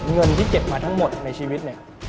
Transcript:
เงินที่เก็บมาทั้งหมดในชีวิตเนี่ย